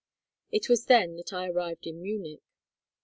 It was then that I arrived in Munich.